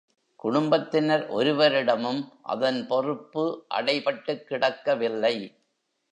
குடும்பத்தினர் ஒருவரிடமும், அதன் பொறுப்பு அடைபட்டுக் கிடக்கவில்லை.